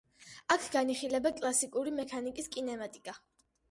აქ განიხილება კლასიკური მექანიკის კინემატიკა.